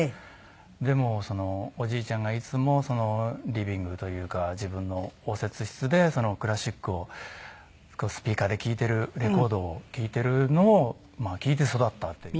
でもおじいちゃんがいつもリビングというか自分の応接室でクラシックをスピーカーで聴いているレコードを聴いているのを聴いて育ったっていう。